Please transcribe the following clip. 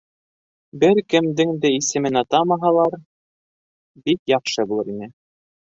Бер кемдең дә исемен атамаһалар, бик яҡшы булыр ине.